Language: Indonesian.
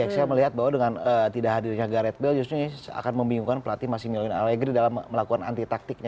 saya melihat bahwa dengan tidak hadirnya gareth bale justru akan membingungkan pelatih masi miloina allegri dalam melakukan anti taktiknya